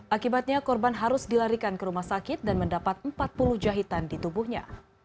akibatnya korban harus dilarikan ke rumah sakit dan mendapat empat puluh jahitan di tubuhnya